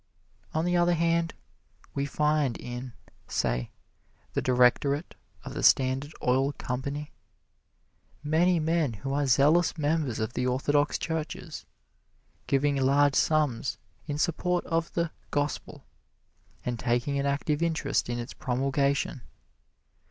On the other hand, we find in, say, the directorate of the Standard Oil Company, many men who are zealous members of the orthodox churches, giving large sums in support of the "gospel," and taking an active interest in its promulgation.